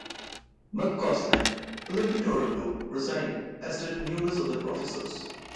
McCausland, who lived in Toronto, resigned, as did numerous other officers.